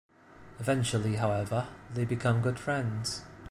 Eventually, however, they become good friends.